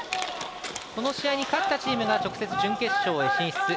この試合に勝ったチームが直接準決勝へ進出。